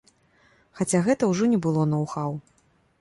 Хаця гэта ўжо не было ноў-хаў.